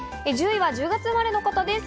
１０位は１０月生まれの方です。